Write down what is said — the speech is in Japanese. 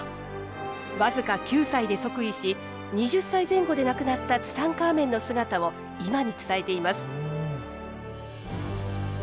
僅か９歳で即位し２０歳前後で亡くなったツタンカーメンの姿を今に伝えています。